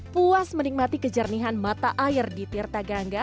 puas menikmati kejernihan mata air di tirta gangga